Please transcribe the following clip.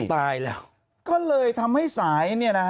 ตายแล้วก็เลยทำให้สาย